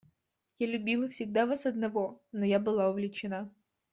Я любила всегда вас одного, но я была увлечена.